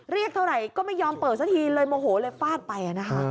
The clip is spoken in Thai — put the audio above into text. เรียกเท่าไหร่ก็ไม่ยอมเปิดสักทีเลยโมโหเลยฟาดไปนะคะ